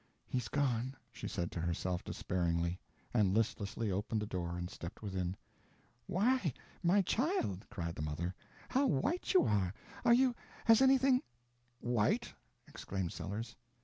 "He's gone," she said to herself despairingly, and listlessly opened the door and stepped within. "Why, my child," cried the mother, "how white you are! Are you—has anything—" "White?" exclaimed Sellers.